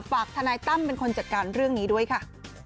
ทนายตั้มเป็นคนจัดการเรื่องนี้ด้วยค่ะ